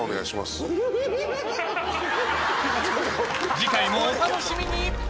次回もお楽しみに！